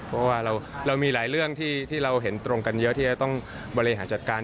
เพราะว่าเรามีหลายเรื่องที่เราเห็นตรงกันเยอะที่จะต้องบริหารจัดการ